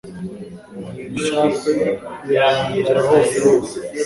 ishakwe rirarangira hose hose